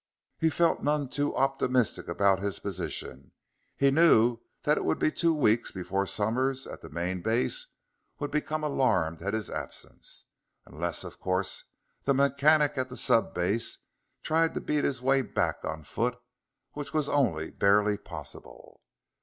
He felt none too optimistic about his position. He knew that it would be two weeks before Somers, at the main base, would become alarmed at his absence. Unless, of course, the mechanic at the sub base tried to beat his way back on foot, which was only barely possible....